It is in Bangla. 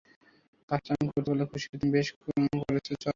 কাজটা আমি করতে পারলে খুশী হতাম, বেশ করেছে চড় মেরে!